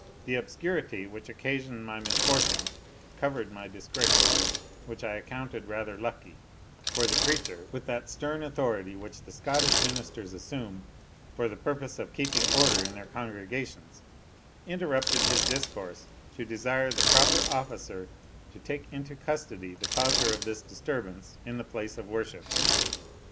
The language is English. The obscurity which occasioned my misfortune, covered my disgrace; which I accounted rather lucky, for the preacher, with that stern authority which the Scottish ministers assume for the purpose of keeping order in their congregations, interrupted his discourse, to desire the "proper officer" to take into custody the causer of this disturbance in the place of worship.